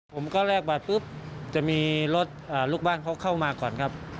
ผมก็แลกบัตรปุ๊บจะมีรถลูกบ้านเขาเข้ามาก่อนครับ